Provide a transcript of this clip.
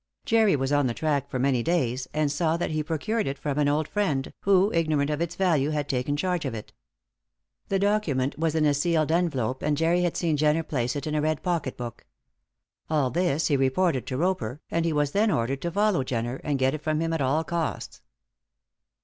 Jerry was on the track for many days, and saw that he procured it from an old friend, who, ignorant of its value, had taken charge of it. The document was in a sealed envelope, and Jerry had seen Jenner place it in a red pocket book. All this he reported to Roper, and he was then ordered to follow Jenner, and get it from him at all costs.